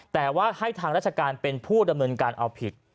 แต่ว่าให้ทางราชการเป็นผู้ดำเนินการเอาผิด